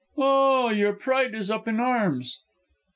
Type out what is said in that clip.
"Ah, your pride is up in arms?"